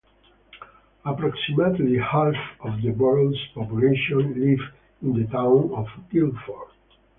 Approximately half of the Borough's population live in the town of Guildford.